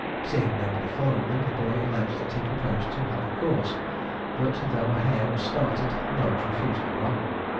Seeing nobody following them, the boy alleged that he proposed to have a course; but, though a hare was started, the dogs refused to run.